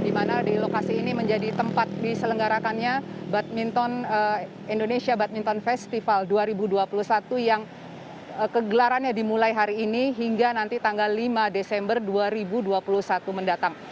di mana di lokasi ini menjadi tempat diselenggarakannya indonesia badminton festival dua ribu dua puluh satu yang kegelarannya dimulai hari ini hingga nanti tanggal lima desember dua ribu dua puluh satu mendatang